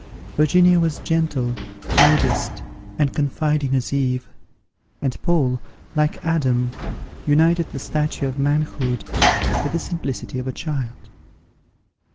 Virginia was gentle, modest, and confiding as Eve; and Paul, like Adam, united the stature of manhood with the simplicity of a child.